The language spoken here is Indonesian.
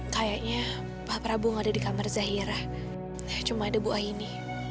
kayaknya pak prabu gak ada di kamar zahira cuma ada bu aini